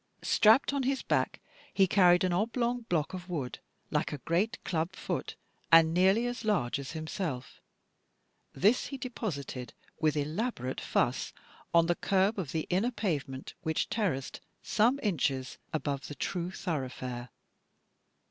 Strapped on his back he carried an oblong block of wood, like a great club foot, and nearly as large as himself. This he deposited, with elaborate fuss, on the curb of the inner pavement, which terraced some inches above the true thoroughfare.